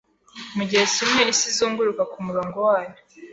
Mugihe kimwe Isi izunguruka ku murongo wayo